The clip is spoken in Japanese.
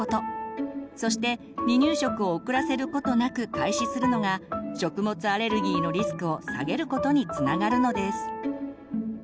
そして離乳食を遅らせることなく開始するのが食物アレルギーのリスクを下げることにつながるのです。